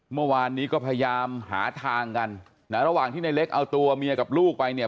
เมื่อวานนี้ก็พยายามหาทางกันนะระหว่างที่ในเล็กเอาตัวเมียกับลูกไปเนี่ย